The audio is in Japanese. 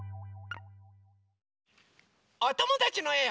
おともだちのえを。